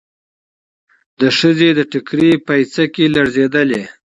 د ښځې د ټکري پيڅکې لړزېدلې.